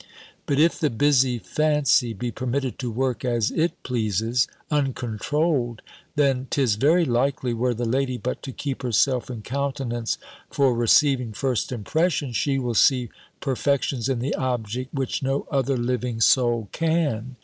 But if the busy fancy be permitted to work as it pleases, uncontrolled, then 'tis very likely, were the lady but to keep herself in countenance for receiving first impressions, she will see perfections in the object, which no other living soul can.